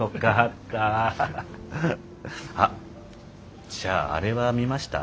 あっじゃああれは見ました？